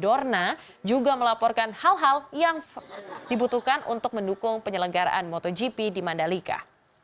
dorna juga melaporkan hal hal yang dibutuhkan untuk mendukung penyelenggaraan motogp di mandalika